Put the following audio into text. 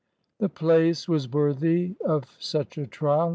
] The place was worthy of such a trial.